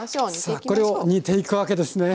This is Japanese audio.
さあこれを煮ていくわけですね。